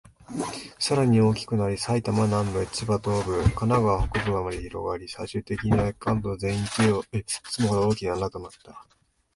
さらに大きくなり、埼玉南部、千葉東部、神奈川北部まで広がり、最終的には関東全域を包むほど、大きな穴となった。